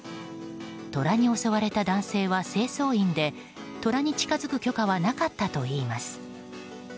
トラに襲われた男性は清掃員でトラに近づく許可はなかったといいます。